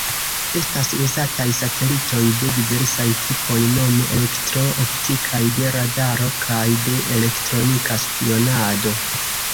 Estas uzataj satelitoj de diversaj tipoj, nome elektro-optikaj, de radaro kaj de elektronika spionado.